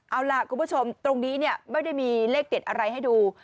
เอาล่ะคุณผู้ชมตรงนี้เนี่ยไม่ได้มีเลขเด็ดอะไรให้ดู